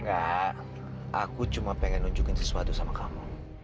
enggak aku cuma pengen nunjukin sesuatu sama kamu